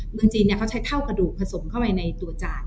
เมืองจีนเขาใช้เท่ากระดูกผสมเข้าไปในตัวจาน